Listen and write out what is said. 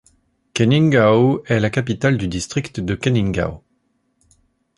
Keningau est la capitale du district de Keningau.